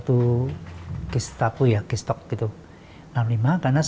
tetapi kita ingin krijama khayal itu sebagai menjata